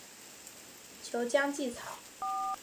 俅江芰草